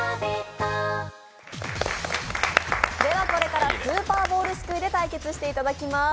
これからスーパーボールすくいで対決していただきます。